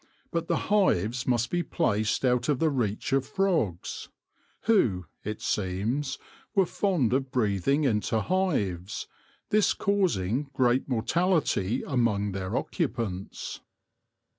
But the hives must be placed out of the reach of frogs, who, it seems, were fond of breathing into hives, this causing great mortality among their occupants.